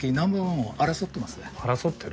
争ってる？